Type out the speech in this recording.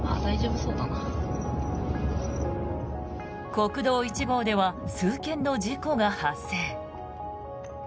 国道１号では数件の事故が発生。